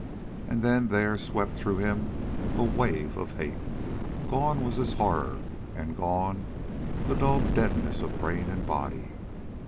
And then there swept through him a wave of hate. Gone was his horror, and gone the dull deadness of brain and body.